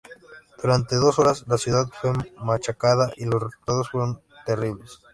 Durante dos horas la ciudad fue machacada y los resultados fueron terribles.